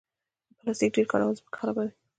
د پلاستیک ډېر کارول ځمکه خرابوي.